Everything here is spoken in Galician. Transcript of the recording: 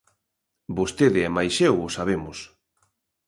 Vostede e mais eu o sabemos.